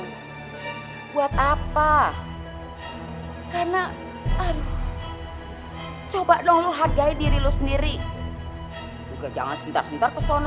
hai buat apa karena coba dong lu hargai diri lu sendiri juga jangan sekitar sekitar kesana